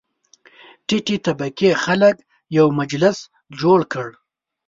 ټیټې طبقې خلک یو مجلس جوړ کړ.